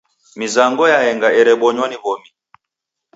Mizango yaenga erebonywa ni w'omi.